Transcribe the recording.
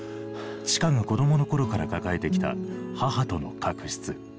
千佳が子供の頃から抱えてきた母との確執。